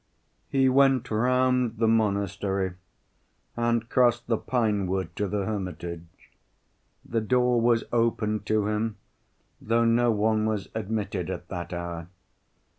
He went round the monastery, and crossed the pine‐wood to the hermitage. The door was opened to him, though no one was admitted at that hour.